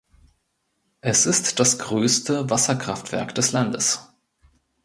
Es ist das größte Wasserkraftwerk des Landes.